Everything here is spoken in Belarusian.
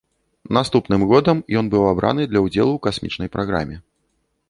Наступным годам ён быў абраны для ўдзелу ў касмічнай праграме.